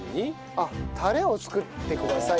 あっタレを作ってくださいと。